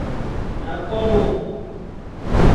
M'akobô.